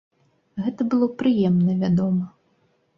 Гэта было прыемна, вядома!